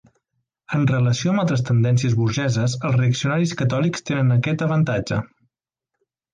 En relació amb altres tendències burgeses els reaccionaris catòlics tenen aquest avantatge.